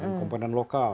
dengan komponen lokal